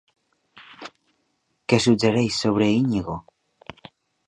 Què suggereix sobre Iñigo?